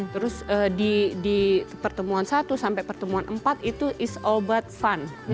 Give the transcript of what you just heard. terus di pertemuan satu sampai pertemuan empat itu is all but fun